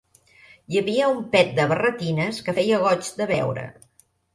Hi havia un pet de barretines que feia goig de veure.